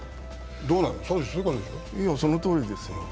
そのとおりですよ。